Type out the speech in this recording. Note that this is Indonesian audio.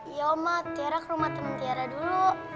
iya oma tiara ke rumah temen tiara dulu